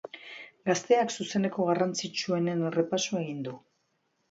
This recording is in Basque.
Gazteak zuzeneko garrantzitsuenen errepasoa egin du.